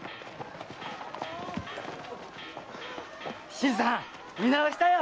新さん見直したよ。